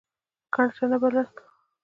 په ګټه نه بلل.